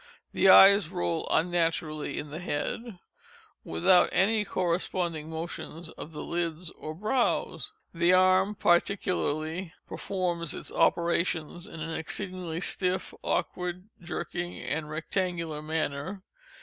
The eyes roll unnaturally in the head, without any corresponding motions of the lids or brows. The arm, particularly, performs its operations in an exceedingly stiff, awkward, jerking, and rectangular manner.